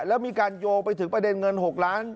แล้วมีการโยงไปถึงประเด็นเงิน๖ล้าน